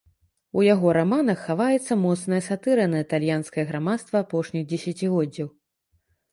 У яго раманах хаваецца моцная сатыра на італьянскае грамадства апошніх дзесяцігоддзяў.